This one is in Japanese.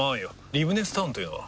リブネスタウンというのは？